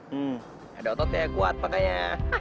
hmm ada otot ya kuat makanya